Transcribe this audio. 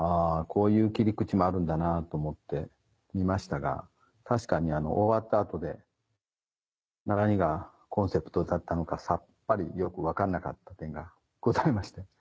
こういう切り口もあるんだなと思って見ましたが確かに終わった後で何がコンセプトだったのかさっぱりよく分かんなかった点がございまして。